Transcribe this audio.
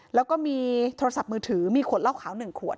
แล้วก็มีโทรศัพท์มือถือมีขวดเหล้าขาว๑ขวด